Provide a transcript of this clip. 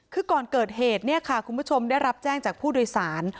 คือก่อนเกิดเหตุเนี่ยค่ะคุณผู้ชมได้รับแจ้งจากผู้โดยสาร